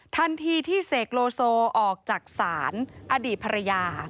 ทันทีที่เสกโลโซออกจากศาลอดีตภรรยา